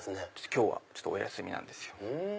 今日はお休みなんですよ。